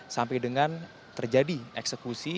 sampai dengan terjadi eksekusi